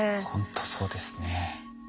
ほんとそうですね。